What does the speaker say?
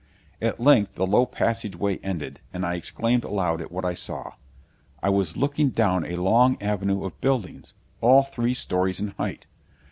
At length the low passageway ended, and I exclaimed aloud at what I saw. I was looking down a long avenue of buildings, all three stories in height.